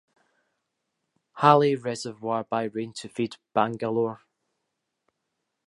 Halli reservoir by rain to feed Bangalore.